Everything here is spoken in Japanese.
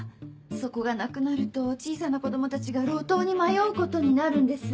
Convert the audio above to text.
そこがなくなると小さな子供たちが路頭に迷うことになるんです。